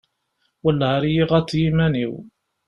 Welleh ar i y-iɣaḍ yiman-iw!